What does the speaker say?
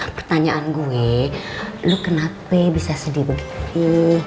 pertanyaan gue lu kenapa bisa sedih begitu